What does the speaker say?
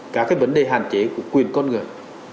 các cái vấn đề hạn chế của quyền con người